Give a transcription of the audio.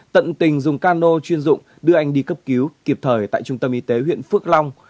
tận tình dùng cano chuyên dụng đưa anh đi cấp cứu kịp thời tại trung tâm y tế huyện phước long